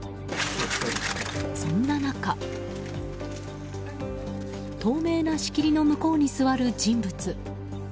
そんな中透明な仕切りの向こうに座る人物。